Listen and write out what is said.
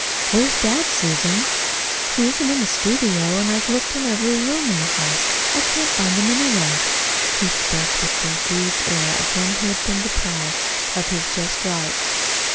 "Where's dad, Susan? He isn't in the studio and I've looked in every room in the house and I can't find him anywhere." Keith spoke with the aggrieved air of one who has been deprived of his just rights.